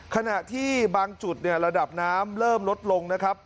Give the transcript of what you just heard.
ขณะที่บางจุดเนี่ยระดับน้ำเริ่มลดลงนะครับ